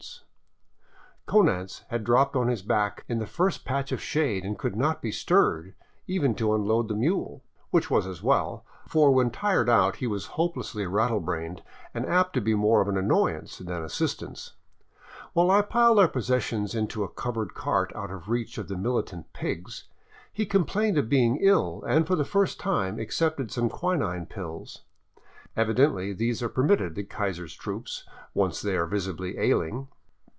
574 SKIRTING THE GRAN CHACO Konanz had dropped on his back in the first patch of shade and could not be stirred, even to unload the mule ; which was as well, for when tired out he was hopelessly rattle brained and apt to be of more an noyance than assistance. While I piled our possessions into a covered cart out of reach of the militant pigs, he complained of being ill and for the first time accepted some quinine pills. Evidently these are permitted the Kaiser's troops, once they are visibly aiHng.